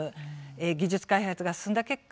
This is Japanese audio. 技術開発が進んだ結果